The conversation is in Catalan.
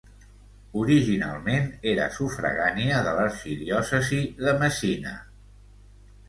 Originalment era sufragània de l'arxidiòcesi de Messina.